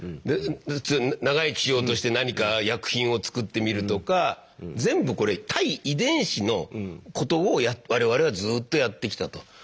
で普通長生きしようとして何か薬品を作ってみるとか全部これ対遺伝子のことを我々はずっとやってきたと。